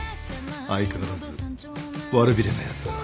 相変わらず悪びれないやつだな。